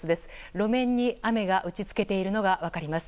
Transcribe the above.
路面に雨が打ち付けているのが分かります。